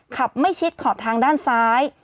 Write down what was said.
ขับไม่ชิดขอบทางด้านซ้าย